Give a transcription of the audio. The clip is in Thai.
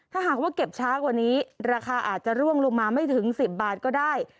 ถ้าหากว่าเก็บช้ากว่านี้ราคาอาจจะร่วงลงมาไม่ถึง๑๐บาทก็ได้